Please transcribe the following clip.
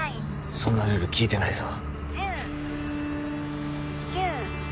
そんなルール聞いてないぞ１０９